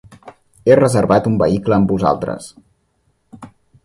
He reservat un vehicle amb vosaltres.